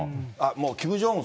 キム・ジョンウン